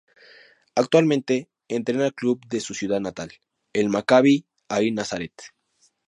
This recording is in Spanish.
Actualmente entrena al club de su ciudad natal, el Maccabi Ahi Nazaret.